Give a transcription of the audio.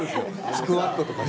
スクワットとかして。